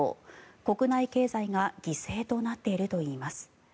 国内経済が犠牲となっているといいます。